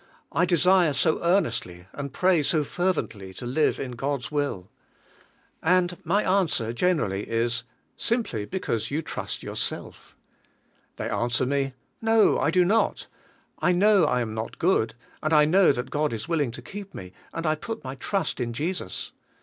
I desire so earnestly, and pray so fervently, to live in God's will." And my answer generally is, "Simpl}' because you trust yourself." They an swer me: "No, I do not; I know I am not good; and I know that God is willing to keep me, and I put my trust in Jesus."